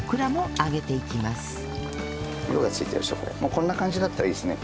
こんな感じになったらいいですね。